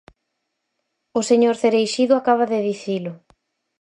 O señor Cereixido acaba de dicilo.